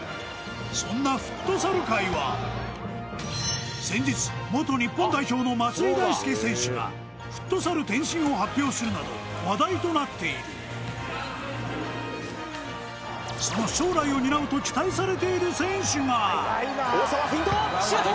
そんなフットサル界は先日元日本代表の松井大輔選手がフットサル転身を発表するなど話題となっているその将来を担うと大澤奮闘！